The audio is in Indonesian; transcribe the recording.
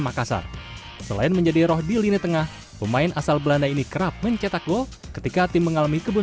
jika kita mencoba membuat pemain ini men men pemain lain men men